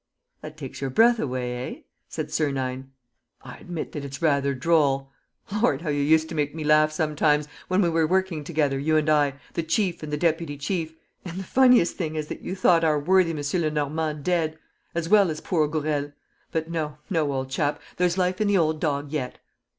"That takes your breath away, eh?" said Sernine. "I admit that it's rather droll. ... Lord, how you used to make me laugh sometimes, when we were working together, you and I, the chief and the deputy chief! ... And the funniest thing is that you thought our worthy M. Lenormand dead ... as well as poor Gourel. But no, no, old chap: there's life in the old dog yet!"